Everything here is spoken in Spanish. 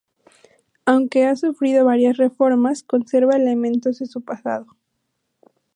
Aunque ha sufrido varias reformas conserva elementos de su pasado.